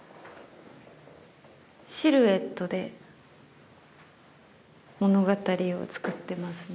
シルエットで物語を作ってますね。